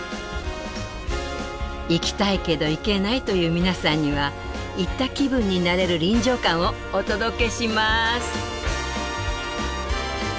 行きたいけど行けないという皆さんには行った気分になれる臨場感をお届けします。